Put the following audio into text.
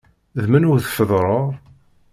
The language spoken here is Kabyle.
D menhu tfeḍreḍ?